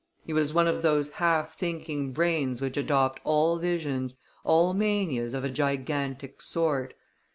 He was one of those half thinking brains which adopt all visions, all manias of a gigantic sort.